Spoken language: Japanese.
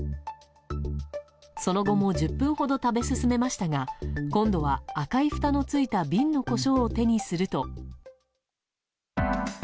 その後も１０分ほど食べ進めましたが今度は赤いふたのついた瓶のコショウを手にすると。